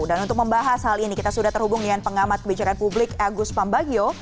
dan untuk membahas hal ini kita sudah terhubung dengan pengamat kebijakan publik agus pambagio